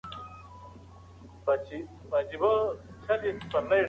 په خپلو اړیکو کې واټن له منځه یوسئ.